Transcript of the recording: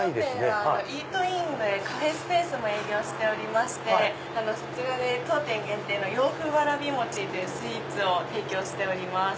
当店はイートインでカフェスペースも営業しておりましてそちらで当店限定の洋風わらび餅というスイーツを提供しております。